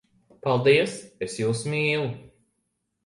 Paldies! Es jūs mīlu!